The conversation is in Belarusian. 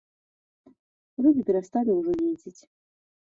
Людзі перасталі ўжо ездзіць.